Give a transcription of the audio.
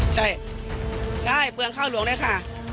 ใช่ใช่เบืองเข้าหลวงด้วยค่ะ